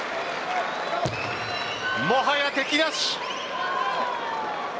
もはや敵なし。